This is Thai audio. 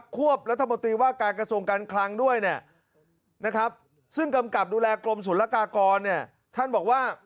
ควบรัฐมนตรีว่าการกระทรวงการคลังด้วย